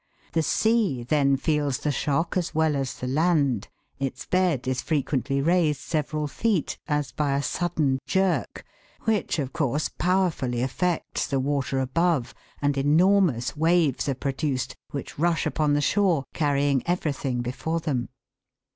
The sea then feels the shock as well as the land, its bed is frequently raised several feet, as by a sudden jerk, which, of course, powerfully affects the water above, arid enormous waves are produced, which rush upon the shore, carrying everything before them.